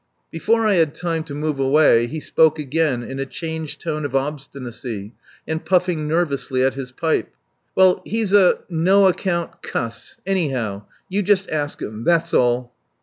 Before I had time to move away he spoke again in a changed tone of obstinacy and puffing nervously at his pipe. "Well he's a no account cuss anyhow. You just ask him. That's all."